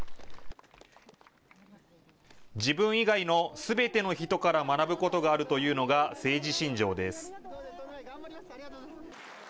自分以外のすべての人から学ぶことがあるというのが政治信条です。